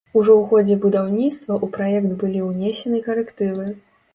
Ужо ў ходзе будаўніцтва ў праект былі ўнесены карэктывы.